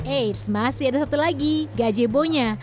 eits masih ada satu lagi gajeh bonya